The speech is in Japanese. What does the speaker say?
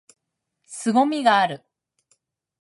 凄みがある！！！！